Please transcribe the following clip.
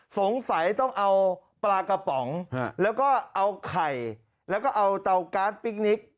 สงสัยต้องเอาปลากระป๋องแล้วก็เอาไข่แล้วก็เอาเตาก๊าซพิคนิค